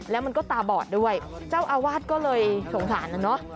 แล้วมันก็ตาบอดด้วยเจ้าอาวาสก็เลยสงสารนะเนอะ